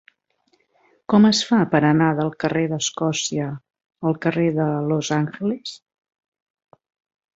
Com es fa per anar del carrer d'Escòcia al carrer de Los Angeles?